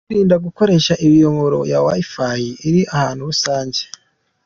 Kwirinda gukoresha imiyoboro ya Wi-Fi iri ahantu rusange.